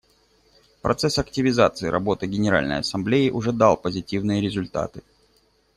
Процесс активизации работы Генеральной Ассамблеи уже дал позитивные результаты.